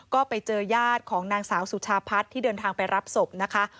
ก็ไปเจอญาติของนางสาวสุชาพัฒน์ที่เดินทางไปรับศพนะคะ